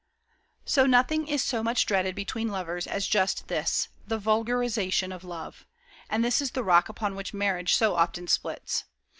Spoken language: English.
So nothing is so much dreaded between lovers as just this the vulgarization of love and this is the rock upon which marriage so often splits.